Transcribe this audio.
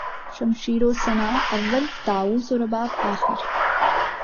شمشیر و سناں اول طاؤس و رباب آخر